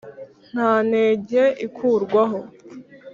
nta nenge ikurangwaho!